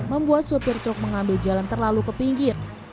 membuat sopir truk mengambil jalan terlalu ke pinggir